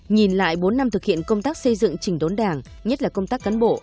nhìn lại bốn năm thực hiện công tác xây dựng chỉnh đốn đảng nhất là công tác cán bộ